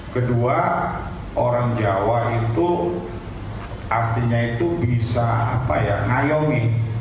kedua orang jawa itu artinya itu bisa ngayomi